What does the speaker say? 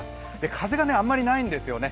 風があんまりないんですよね。